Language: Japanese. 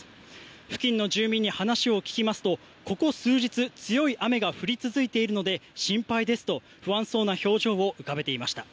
付近の住民に話を聞きますとここ数日強い雨が降り続いているので心配ですと、不安そうな表情を浮かべていました。